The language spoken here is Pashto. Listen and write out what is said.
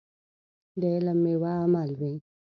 د علم ميوه عمل دی.